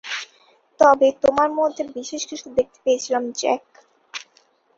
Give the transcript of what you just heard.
তবে তোমার মধ্যে বিশেষ কিছু দেখতে পেয়েছিলাম, জ্যাকব।